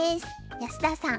安田さん